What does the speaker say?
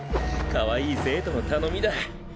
かわいい生徒の頼みだ。